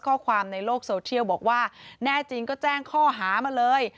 ข้อความในโลกโซเทียลบอกว่าแน่จริงก็แจ้งข้อหามาเลย